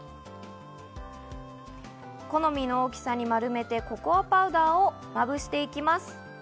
好みの大きさに丸めて、ココアパウダーをまぶしていきます。